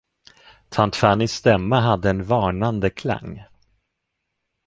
Tant Fannys stämma hade en varnande klang.